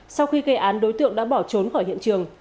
sau khi gây án đối tượng đã bỏ trốn khỏi hiện trường